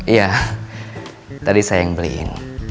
iya tadi saya yang beliin